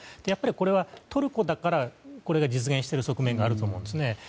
やっぱりこれはトルコだから実現している側面があると思うんです。